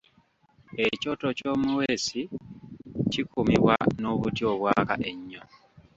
Ekyoto ky’omuweesi kikumibwa n’obuti obwaka ennyo.